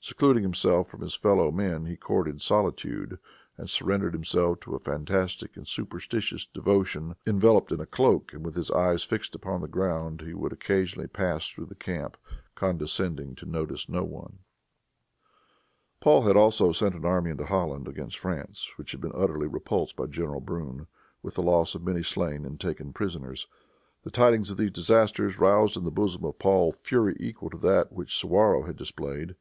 Secluding himself from his fellow men he courted solitude, and surrendered himself to a fantastic and superstitious devotion. Enveloped in a cloak, and with his eyes fixed upon the ground, he would occasionally pass through the camp, condescending to notice no one. Paul had also sent an army into Holland, against France, which had been utterly repulsed by General Brune, with the loss of many slain and taken prisoners. The tidings of these disasters roused, in the bosom of Paul, fury equal to that which Suwarrow had displayed.